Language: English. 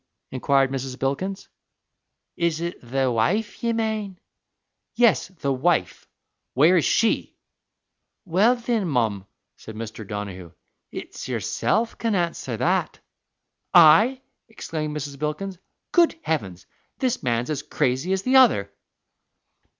inquired Mrs. Bilkins. "Is it the wife, ye mane?" "Yes, the wife; where is she?" "Well, thin, mum," said Mr. Donnehugh, "it's yerself can answer that." "I?" exclaimed Mrs. Bilkins. "Good heavens! this man's as crazy as the other!"